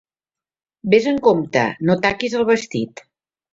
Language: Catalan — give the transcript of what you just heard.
Ves amb compte: no taquis el vestit.